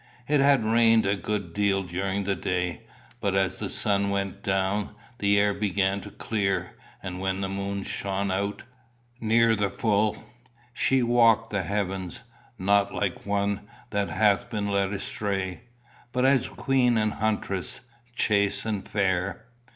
It had rained a good deal during the day, but as the sun went down the air began to clear, and when the moon shone out, near the full, she walked the heavens, not "like one that hath been led astray," but as "queen and huntress, chaste and fair."